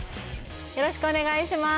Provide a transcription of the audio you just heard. よろしくお願いします